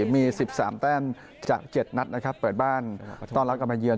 มี๑๓แต้มจาก๗นัดนะครับเปิดบ้านต้อนรับกลับมาเยือน